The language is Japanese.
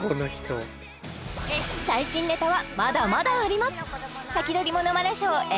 最新ネタはまだまだあります